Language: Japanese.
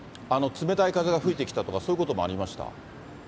冷たい風が吹いてきたとか、そういうこともありました？